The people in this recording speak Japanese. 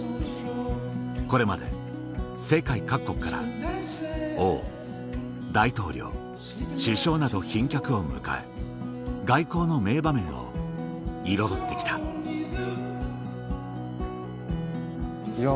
これまで世界各国から王大統領首相など賓客を迎え外交の名場面を彩ってきたいや